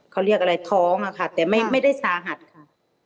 เขาเรียกอะไรท้องอะค่ะแต่ไม่ได้สาหัสค่ะ